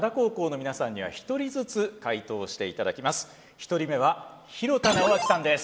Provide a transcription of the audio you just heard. １人目は廣田直聡さんです。